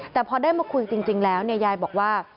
แต่พอได้มาคุยจริงแล้วยายบอกว่า